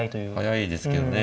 速いですけどね。